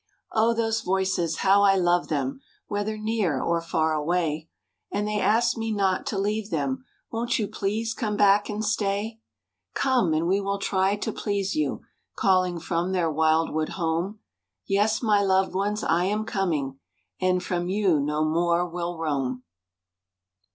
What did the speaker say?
Oh! those voices, how I love them! Whether near or far away, And they ask me not to leave them, "Won't you please come back and stay?" "Come and we will try to please you," Calling from their wildwood home, "Yes, my loved ones, I am coming, And from you no more will roam."